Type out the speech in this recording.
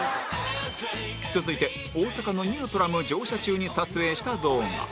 続いて大阪のニュートラム乗車中に撮影した動画